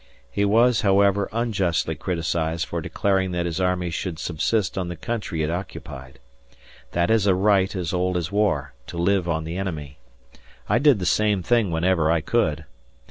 He was, however, unjustly criticised for declaring that his army should subsist on the country it occupied. That is a right as old as war to live on the enemy. I did the same thing whenever I could.